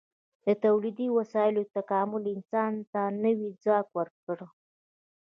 د تولیدي وسایلو تکامل انسان ته نوی ځواک ورکړ.